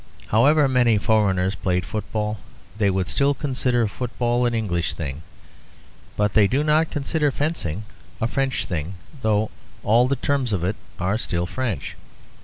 However many foreigners played football, they would still consider football an English thing. But they do not consider fencing a French thing, though all the terms of it are still French.